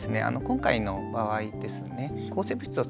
今回の場合ですね